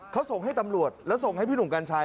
เขาส่งให้ตำรวจแล้วส่งให้พี่หนุ่มกัญชัย